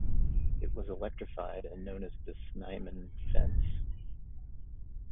It was electrified and known as the Snyman fence.